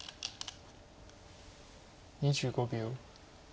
２５秒。